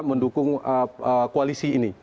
mendukung koalisi ini